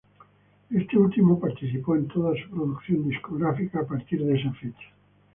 Este último participó en toda su producción discográfica a partir de esa fecha.